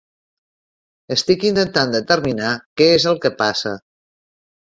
Estic intentant determinar què és el que passa.